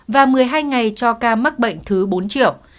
và một mươi hai ngày cho ca mắc bệnh thứ bốn triệu